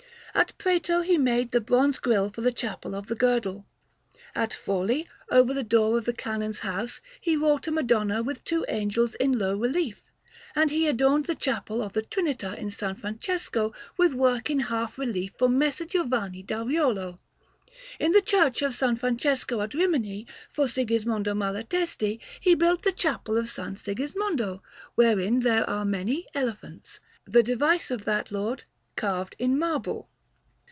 At Prato he made the bronze grille for the Chapel of the Girdle. At Forlì, over the door of the Canon's house, he wrought a Madonna with two angels in low relief; and he adorned the Chapel of the Trinità in S. Francesco with work in half relief for Messer Giovanni da Riolo. In the Church of S. Francesco at Rimini, for Sigismondo Malatesti, he built the Chapel of S. Sigismondo, wherein there are many elephants, the device of that lord, carved in marble.